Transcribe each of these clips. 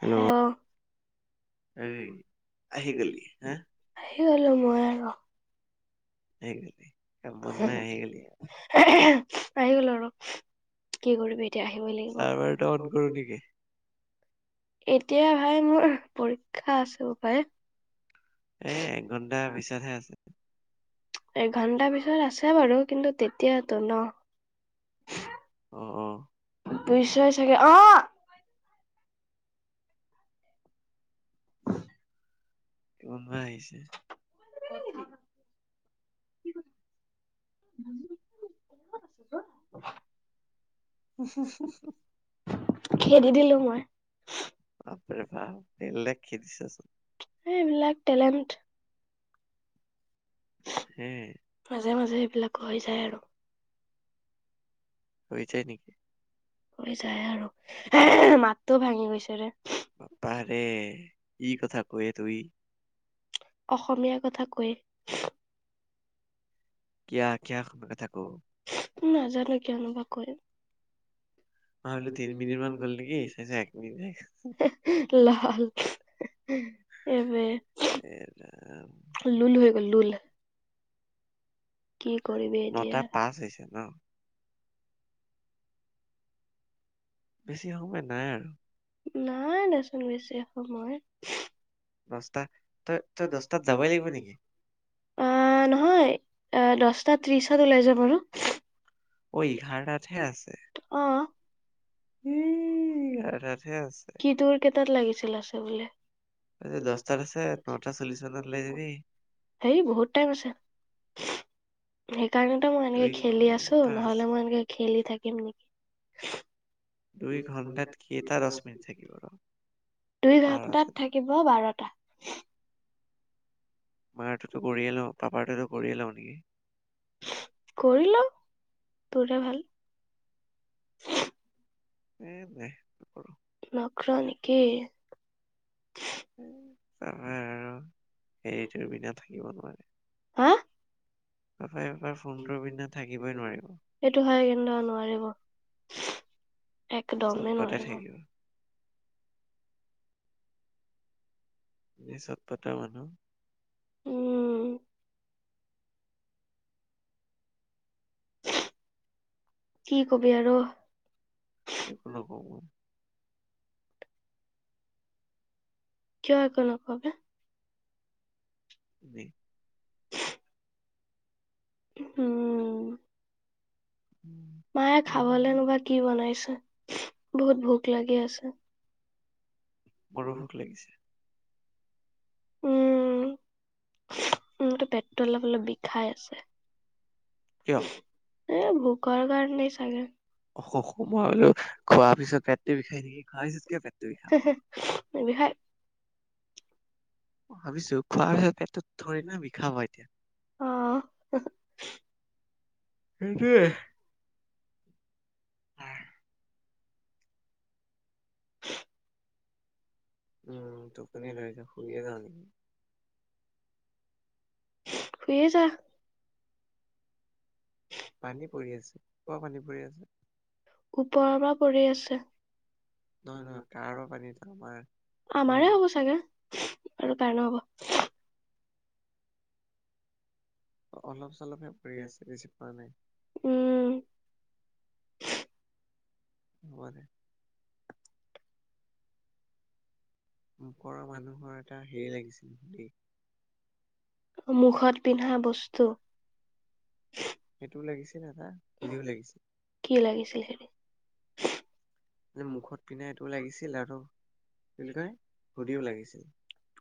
Hello, অ', এই আহি গলি হা? আহি গলো মই আক। আহি গলি কামত নাই আহি গলি [unintelligible] আহি গলো আৰু কি কৰিবি? এতিয়া আহিবই লাগিব। চাৰ্ভাৰ ডাউন কৰো নেকি? এতিয়া ভাই মোৰ পৰীক্ষা আছে বোপাই। এ এক ঘণ্টা পিছতহে আছে। এঘন্টা পিছত আছে বাৰু কিন্তু তেতিয়াতো ন? অ', অ বুজিছই চাগে অ, কোনোবা আহিছে? [inaudible] [unintelligible] [unintelligible] খেদি দিলো মই। বাপৰে বাপ বেলেগ খেদিছা চোন! হ এইবিলাক টেলেণ্ট হে! মাজে মাজে সেইবিলাক হৈ যায় আৰু। হৈ যায় নেকি? যায় আৰু [unintelligible] মাতটো ভাঙি গৈছে ৰে। বাপাৰে কি কথা কয় তুই। অসমীয়া কথা কয়। কিয়া কিয়া কথা ক? নাজানো কিয়নোবা কয়। ভাবিলো তিনি মিনিট মান গ'ল নেকি চাইছোঁ এক মিনিট [inaudible] লাল এ বে! এ ৰাম। লুল হৈ গ'ল লুল। কি কৰিবি? এতিয়া। নটা পাঁচ হৈছে ন'? বেছি সময় নাই আৰু। নাই দেচোন বেছি সময়। দছটা তই তই দছটাত যাবই লাগিব নেকি? অঁ নহয় এ দছটা ত্ৰিশত ওলাই যাম আৰু। ঐ ইঘাৰটাতহে আছে। অ ই, ইঘাৰটাতহে আছে। কি তোৰ কেইটাত লাগিছিলে আছে বোলি? আজি দছটাত আছে নটা চল্লিশ মানত ওলাই যাবি। সেই বহুত টাইম আছে। সেইকাৰণে ত মই এনেকে দুই খেলি আছো, ঘন্টা নহলে আছে মই এনেকে খেলি থাকিম নি? দুই ঘণ্টাত কেইটা দশ মিনিট থাকিব ৰ? দুই ঘণ্টাত বাৰটা থাকিব বাৰটা। মাৰটোতো কৰিয়ে লওঁ পাপাৰটোতো কৰিয়ে লওঁ নেকি? কৰি ল, তোৰে ভাল। এ, নাই নকৰো। নকৰ নেকি? [unintelligible] হেৰিটোৰ বিনা থাকিব নোৱাৰে। হা? পাপাই এবাৰ ফোনটোৰ বিনা থাকিবই নোৱাৰিব। সেইটো হয় কিন্তু নোৱাৰিব, একদমেই চটপটাই নোৱাৰিব। থাকিব এই চতপতা মানুহ। উম। কি কবি আৰু? একো নকওঁ মই। কিয় একো নক বে? এনেই। উম, উম, মায়ে খাবলেনোবা কি বনাইছে? বহুত ভোক লাগি আছে। মোৰো ভুক লাগিছে। উম, মোৰতো পেটটো অলপ অলপ বিখাই আছে। কিয় এ, ভোকৰ কাৰণেই চাগে। অসু সুমই হলো খোৱাোৱাৰ পিছত পটটো বিষাই নেকি খোৱাৰ পিছতকে পেটটো বিষামই। নিবিষাই। ভাবিছো খোৱাৰ পেটটোত থ'ৰি না বিখাব এতিয়া। অ', সেই কিয়ে। আহ। [inaudible] উম, তুপনি ধৰিছে শুয়ে যাওঁ নেকি? শুইে যা। পানী পৰি আছে ক'ৰপা পানী পৰি আছে। ওপৰৰ পৰা পৰি আছে। নহয় নহয় কাৰোবাৰ পানীটো আমাৰ ইয়াৰ আমাৰে হ'ব চাগে। আৰু কাৰণো হ'ব? অলপ চলপহে পৰি আছে বেছি পৰা নাই। উম, হ'ব দে। মূকৰ মানুহৰ এটা হেৰি লাগিছিল দেই। মুখত পিন্ধা বস্তু। সেইটোও লাগিছিল এটা ভৰিও লাগিছিল। কি লাগিছিল হেৰি। মুখত পিন্ধা এইটো লাগিছিল আৰু কি বুলি কয় সুদিও লাগিছিল।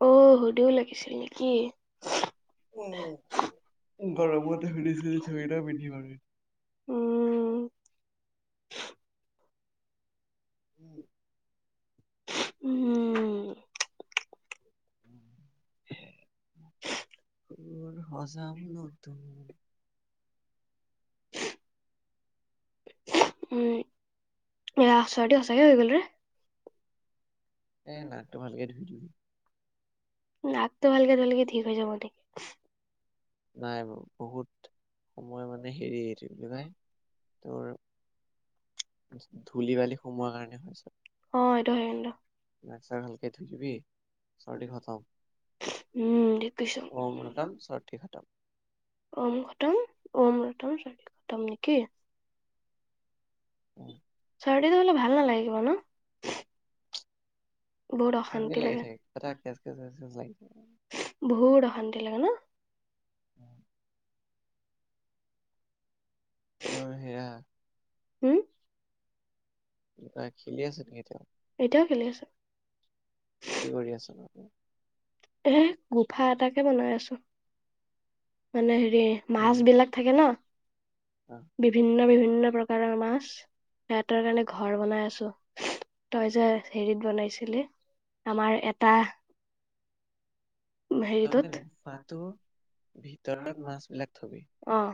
অ সুদিও লাগিছিল নেকি। উ গৰমতে হুৰিছ চবিটা পিন্ধিম আৰু। উম। উম। উম। তোৰ সজাম নতুন। উম এ আচৰাতি সঁচাকে হৈ গ'লৰে। এ নাকটো ভালকে ধুই দিবি। নাকটো ভালকে ধুলে ঠিক হৈ যাব নে কি। নাই বাৰ বহুত সময় মানে হেৰি কি বুলি কয়। তোৰ ধূলি -বালি সোমোৱাৰ কাৰণে হয় চে। অ এইটো হেলেনৰ। নাক চাক ভালকে ধুই দিবি চৰ্দি খতম। উম, ঠিক কৈছ। অ মাম চব ঠিক হটাম, চৰ্দি খতম। ম খতম মতম চ খতম নেকি। অঁ। চাৰডীটো হ'লে ভাল নালাগিব ন। বহুত অশান্তি লাগি লাগে। থাকে এ কেচ-কেচ-কেচ লাগি থাকে। বহুত অশান্তি লাগে ন। অঁ তোৰ সেয়া হম খেলি আছে নেকি তেওঁ? এতিয়াও খেলি আছে। কি কৰি আছ নো এ গোফা এটাকে বনাই আছো। মানে হেৰি মাছ মানে বিলাক থাকে ন। অ, বিভিন্ন-বিভিন্ন প্ৰকাৰৰ মাছ। সিহঁতৰ কাৰণে ঘৰ বনাই আছো তই যে হেৰিত বনাইছিলি। আমাৰ এটা তাৰ হেৰিটোত মানে গোফাটো ভিতৰত মাছ বিলাক থবি। অহ,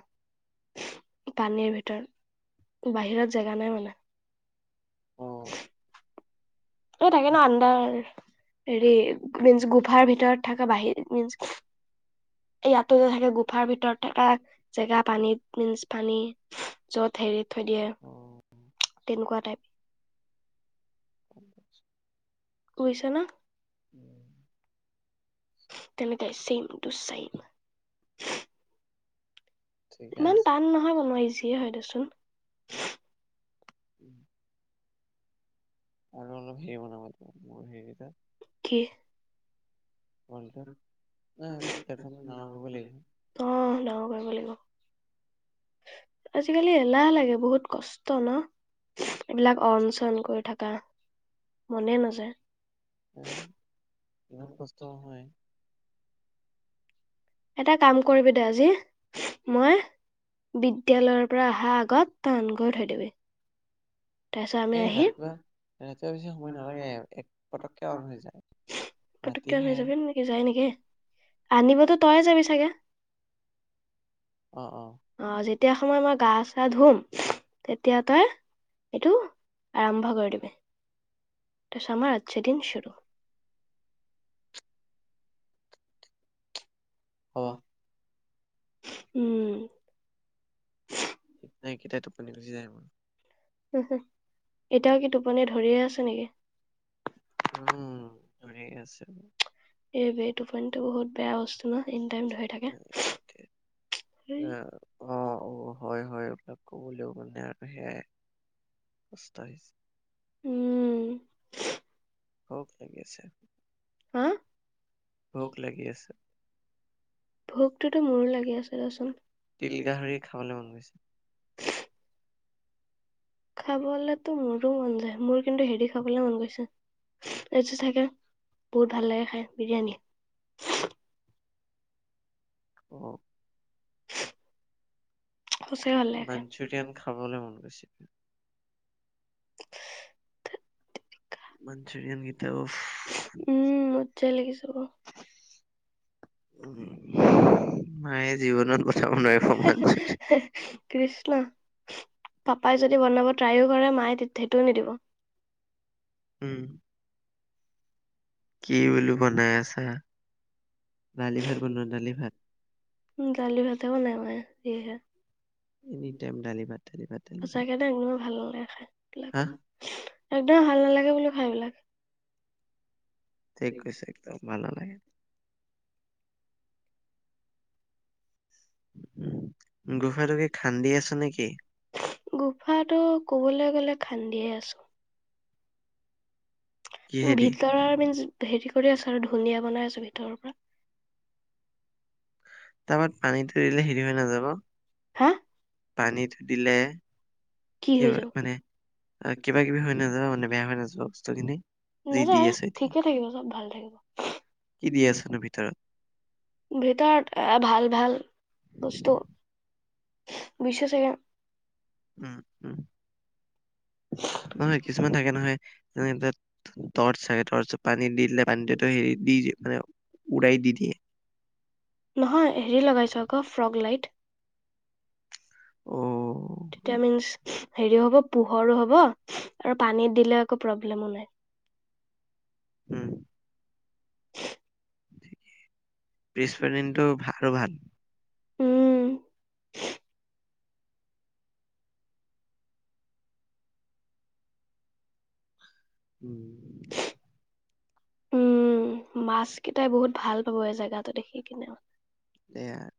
পানীৰ ভিতৰত, বাহিৰত জেগা নাই মানে। অ এই থাকে ন' আডাৰ হেৰি মিন্চ গোফাৰ ভিতৰত থকা বাহিৰ মিন্স এই ইয়াাত যে থাকে গুফাৰ ভিতৰত থকা জেগা পানীত মিন্চ পানী, যত হেৰি থৈ দিয়ে অ তেনেকুৱা টাইপ। অ [unintelligible] বুজিছা ন', উম, তেনে তাই সেইম টো সেইম। ঠিকে ইমান আছে টান নহয় বনোৱা ইজিয়ে হয় দেচোন। উম, আৰু অলপ হেৰি বনাব মোৰ সেইকেটাত, কি? হয়ক [unintelligible] অ, ডাঙৰ লাগিব। কৰিব লাগিব। আজিকালি এলাহ লাগে বহুত কষ্ট ন। এইবিলাক অন চন কৰি থকা মনে নাযায়। অ, ইমান কষ্ট নহয়। এটা কাম কৰিবি দে আজি মই বিদ্যালয়ৰ পৰা অহা আগত অন কৰি থৈ দিবি। তাৰ পিছত আমি এই আহিম ৰাতিপুৱা ৰাতিপুৱা বেছি সময় নালাগে এক পটককে অন হৈ যায় ৰাতিহে। সি যায় নেকি? আনিবতো তই যাবি চাগে। অ, অ, অ, যেতিয়া সময় মই গা চা ধুম তেতিয়া তই এইটো আৰম্ভ কৰি দিবি। তাৰ পাছত আমাৰ আটচি দিন সুৰো। হব, উম, নাইকেটাই টোপনি গচি যায় মোৰ। উম, উম, এতিয়াও কি টোপনি ধৰিয়ে আছে নেকি? উম ধৰি আছে। এইবে টোপনিটো বহুত বেয়া বস্তু ন এনি টাইম ঠিক ধৰি থাকে। নাই কেতিয়া কিবা অ অ হয় হয় এইবিলাক ক'বলৈও মানে আৰু সেয়াই সষ্ট্তাইছ উম। অ'কেকেছে হা, ভোগ লাগি আছে। ভোকটোতো মোৰো লাগি আছে ৰচোন তিল গাহৰি খাবলৈ মন গৈছে। খাবলেতো মোৰো মন যায় মোৰ কিন্তু হেৰি খাবলে মন গৈছে এইটো চাগে বহুত ভাল লাগে খাই বিৰিয়ানী। অ, সঁচাই ভাল লাগে খাই মাঞ্চুৰিয়ান খাবলৈ মন গৈছে মানঞ্চুৰিয়ান গীতা উফ উম মজাই লাগিছে বাৰু উম মায়ে জীৱনত পঠাব নোৱাৰিব। হে কৃষ্ণা পাপাই যদি বনাব ট্ৰাইও কৰে মায়ে সেইটোও নিদিব। উম। কি বোলো বনাই আছা দালি ভাত বনোৱা দালি ভাত দালি ভাত বনাই মানে সিহে এনি টাইম দালি ভাত দালি ভাত দালি ভাত সচাকে দে মোৰো ভাল নালাগে খাই হা একদম ভাল নালাগে বুলি খাইবিলাক ঠিক কৈছে একদম ভাল নালাগে। গোফাটোকে খান্দি আছা নেকি? গুফাটো কবলৈ গ'লে খান্দিয়ে আছোঁ। কিহেদি ভিতৰৰ মিন হেৰি কৰি আছো আৰু ধুনীয়া বনাই আছো ভিতৰৰ পৰা তাৰপাত পানীতটো থৈ দিলে হেৰি হৈ নাযাব হা, পানীত থৈ দিলে কি হৈ যাব? অ কিবা কিবি হয় নাযোৱা মানে বেয়া হৈ নাযােৱা বস্তুখিনি যি দি নাযায় আছ এতিয়া ঠিকে থাকিব চব ভালে থাকিব। কি দি আছনো ভিতৰত ভিটাৰত আহ ভাল ভাল বস্তু দিছে চাগে। উম উম। নহয় কিছুমান থাকে নহয় যেনে তাত টছত থাকে তৰত পানী দি দিলে পানীটোতো হেৰি দি দ মানে উৰাই দি দিয়ে। নহয় হেৰি লগাইছকা ফ্ৰগ লাইট অহ, ভিটামিন হেৰিও হব পোহৰো হব আৰু পানীত দিলে একো প্ৰব্লেমো নাই। উম। থিকেই পিছৰৰ দিনটো ভালেই ভাল। উম উম। উম, মাছ কেইটাই বহুত ভাল পাব এই জেগা দেখি কিনে। [inaudible]